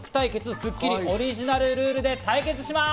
『スッキリ』オリジナルルールで対決します。